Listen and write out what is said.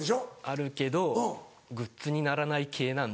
あるけどグッズにならない系なんで。